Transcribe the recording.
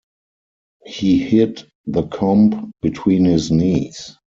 He hid the comb between his knees.